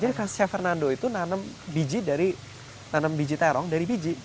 jadi chef fernando itu nanam biji dari nanam biji terong dari biji